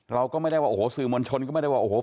เราก็ไม่ได้ว่าโอ้โหสื่อมวลชนก็ไม่ได้ว่าโอ้โห